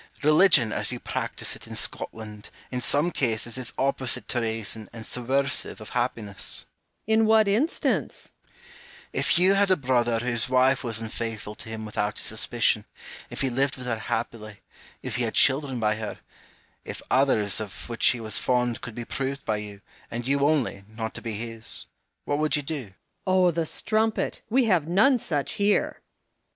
Religion, as you practise it in Scotland, in some cases is opposite to reason and subversive of happiness. Home. In what instance ? Hume. If you^had a brother whose wife was unfaithful to him without his suspicion ; if he lived with her happily ; if he had children by her ; if others of which he was fond could be proved by you, and you only, not to be his — what •would you do ? Home. Oh the strumpet ! we have none such here. Hume.